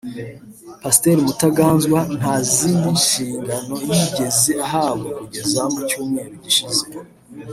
Pasiteri Mutanganzwa nta zindi nshingano yigeze ahabwa kugeza mu cyumweru gishize